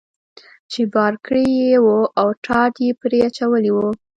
چې بار کړی یې و او ټاټ یې پرې اچولی و.